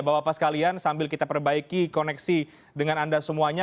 bapak bapak sekalian sambil kita perbaiki koneksi dengan anda semuanya